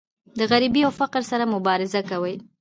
د غریبۍ او فقر سره مبارزه کوي.